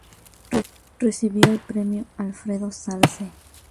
Recibió el premio Alfredo Zalce.